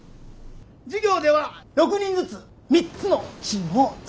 授業では６人ずつ３つのチームを作ります。